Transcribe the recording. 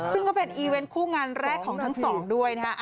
ซึ่งเขาเป็นเวรสุนมติคู่งานแรกของทั้งสองด้วย